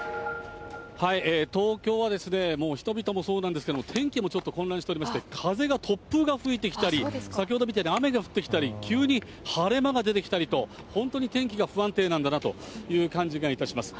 東京はですね、もう人々もそうなんですけれども、天気もちょっと混乱しておりまして、風が突風が吹いてきたり、先ほどみたいに雨が降ってきたり、急に晴れ間が出てきたりと、本当に天気が不安定なんだなという感じがいたします。